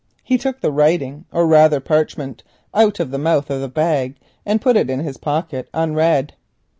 He took the "writing," or rather parchment, out of the mouth of the bag, and put it in his pocket unread.